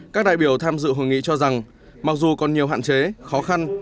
các đại biểu tham dự hội nghị cho rằng mặc dù còn nhiều hạn chế khó khăn